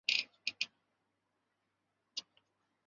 它在有机化学中可以用作催化剂。